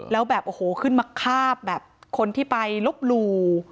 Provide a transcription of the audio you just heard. แล้วแบบโอ้โหขึ้นมาคาบแบบคนที่ไปลบหลู่